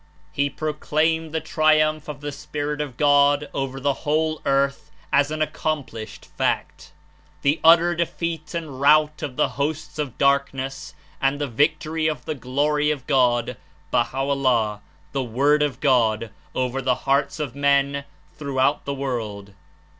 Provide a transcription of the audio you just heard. He proclaimed the triumph of the Spirit of God over the whole earth as an accomplished fact, the utter defeat and rout of the hosts of darkness and the victory of the Glory of God (Baha'o'llah) , the Word of God, over the hearts of men throughout the world.